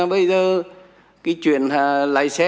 bây giờ cái chuyện lái xe